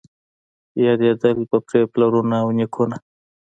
یادېدل به پرې پلرونه او نیکونه